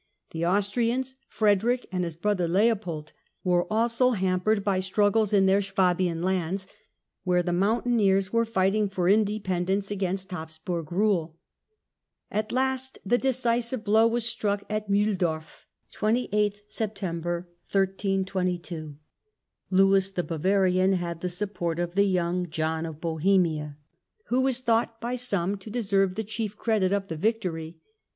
The Austrians, Frederick and his brother Leopold, were also 16 THE END OF THE MIDDLE AGE hampered by struggles in their Swabian lands, where the mountaineers were fighting for independence against Habsburg rule. At last the decisive blow was struck at Miihldorf. Lewis the Bavarian had the support of the young John of Bohemia, who is thought by some to de serve the chief credit of the victory.